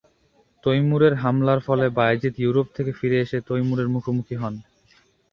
তৈমুরের হামলার ফলে বায়েজিদ ইউরোপ থেকে ফিরে এসে তৈমুরের মুখোমুখি হন।